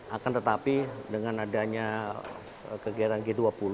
akan tetapi dengan adanya kegiatan g dua puluh